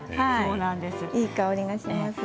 いい香りがします。